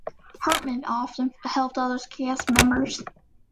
Hartman often helped other cast members.